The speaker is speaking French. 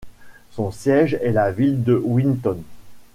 Son siège est la ville de Winton.